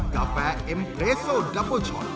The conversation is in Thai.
กาแฟเอ็มเรสโซนดัปเปอร์ช็อต